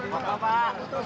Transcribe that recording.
di betrop pak